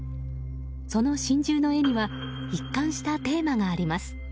その神獣の絵には一貫したテーマがあります。